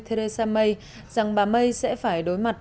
theresa may rằng bà may sẽ phải đối mặt